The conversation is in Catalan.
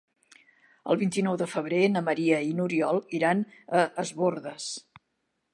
El vint-i-nou de febrer na Maria i n'Oriol iran a Es Bòrdes.